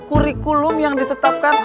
kurikulum yang ditetapkan